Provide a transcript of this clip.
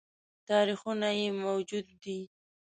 تاریخونه یې موجود دي